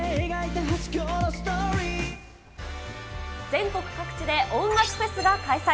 全国各地で音楽フェスが開催。